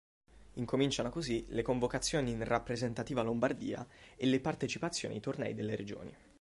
Incominciano così le convocazioni in Rappresentativa Lombardia e le partecipazioni ai Tornei delle Regioni.